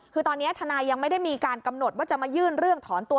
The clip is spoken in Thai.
คือตอนนี้ทนายยังไม่ได้มีการกำหนดว่าจะมายื่นเรื่องถอนตัว